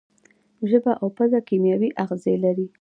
ژبه او پزه کیمیاوي آخذې لري.